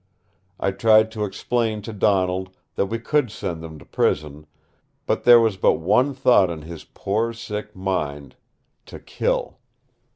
I tried to explain to Donald that we could send them to prison, but there was but one thought in his poor sick mind to kill.